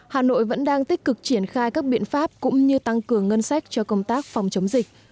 hà nội vẫn đang tích cực triển khai các biện pháp cũng như tăng cường ngân sách cho công tác phòng chống dịch